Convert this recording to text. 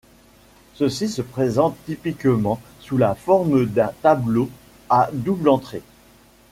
Ceci se présente typiquement sous la forme d'un tableau à double entrée.